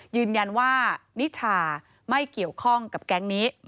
ยืนยันว่านิชาไม่เกี่ยวข้องกับแก๊งนี้